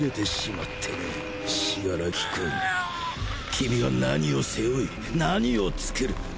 君は何を背負い何をつくる！？